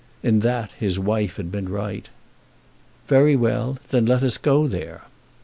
In that his wife had been right. "Very well. Then let us go there."